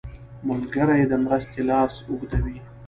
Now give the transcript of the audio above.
ملګری د مرستې لاس اوږدوي